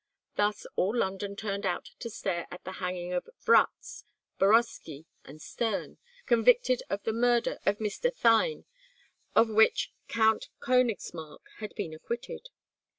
Thus all London turned out to stare at the hanging of Vratz, Boroski, and Stern, convicted of the murder of Mr. Thynne, of which Count Konigsmark had been acquitted.